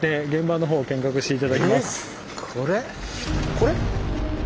これ？